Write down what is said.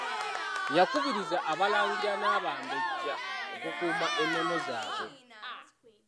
Yakubirizza abalangira n’abambejja okukuuma ennono zaabwe.